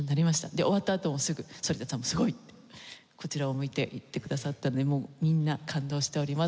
で終わったあとすぐ反田さんも「すごい」ってこちらを向いて言ってくださったのでもうみんな感動しております。